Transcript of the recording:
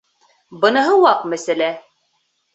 — Быныһы ваҡ мәсьәлә.